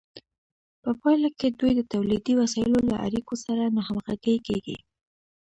په پایله کې دوی د تولیدي وسایلو له اړیکو سره ناهمغږې کیږي.